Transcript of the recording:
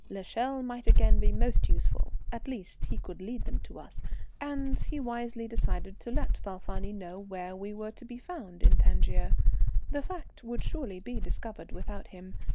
L'Echelle might again be most useful; at least, he could lead them to us, and he wisely decided to let Falfani know where we were to be found in Tangier. The fact would surely be discovered without him.